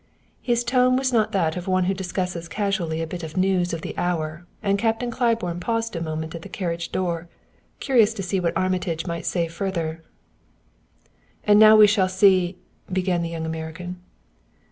His tone was not that of one who discusses casually a bit of news of the hour, and Captain Claiborne paused a moment at the carriage door, curious as to what Armitage might say further. "And now we shall see " began the young American.